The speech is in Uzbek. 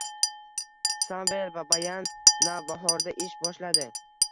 Samvel Babayan «Navbahor»da ish boshladi